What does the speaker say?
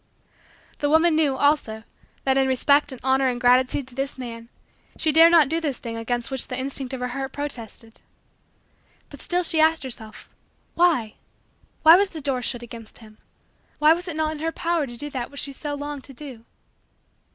The woman knew, also, that, in respect and honor and gratitude to this man, she dared not do this thing against which the instinct of her heart protested. But still she asked herself: "Why? Why was the door shut against him? Why was it not in her power to do that which she so longed to do?"